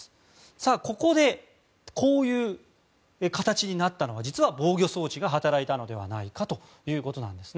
さあ、ここでこういう形になったのは実は防御装置が働いたのではないかということです。